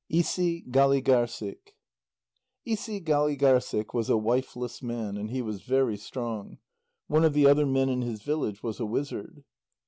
ISIGÂLIGÂRSSIK Isigâligârssik was a wifeless man, and he was very strong. One of the other men in his village was a wizard.